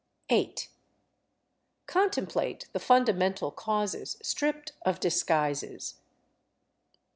8. Contemplate the fundamental causes stripped of disguises.